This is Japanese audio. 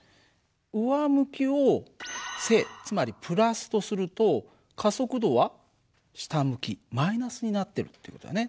上向きを正つまりプラスとすると加速度は下向きマイナスになってるっていう事だね。